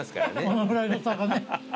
そのぐらいの差がね。